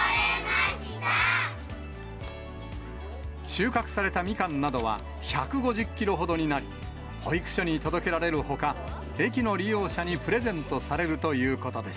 収穫されたみかんなどは、１５０キロほどになり、保育所に届けられるほか、駅の利用者にプレゼントされるということです。